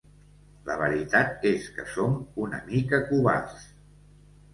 La veritat és que som una mica covards.